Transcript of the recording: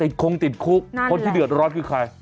ติดคงติดคุกคนที่เดือดรถคือใคร